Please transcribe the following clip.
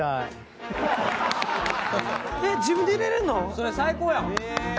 それ最高やん！